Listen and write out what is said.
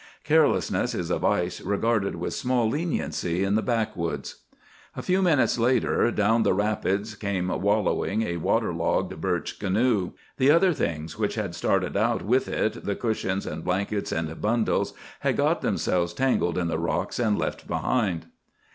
Carelessness is a vice regarded with small leniency in the backwoods. A few minutes later down the rapids came wallowing a water logged birch canoe. The other things which had started out with it, the cushions and blankets and bundles, had got themselves tangled in the rocks and left behind.